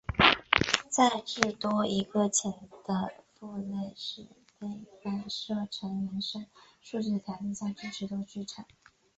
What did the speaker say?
在至多一个潜在的父类是被反射成原生数据的条件下支持多继承。